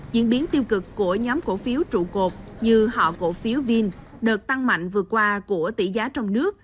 diễn biến tiêu cực của nhóm cổ phiếu trụ cột như họ cổ phiếu vin đợt tăng mạnh vừa qua của tỷ giá trong nước